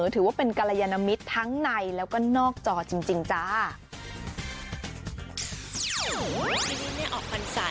ถือว่าเป็นกรยานมิตรทั้งในแล้วก็นอกจอจริงจ้า